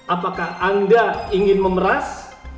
apakah anda ingin memeras